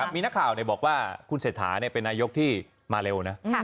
มีนักข่าวบอกว่าคุณเศรษฐาเป็นนายกที่มาเร็วนะ